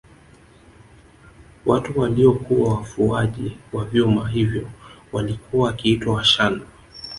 Watu waliokuwa wafuaji wa vyuma hivyo walikuwa wakiitwa Washana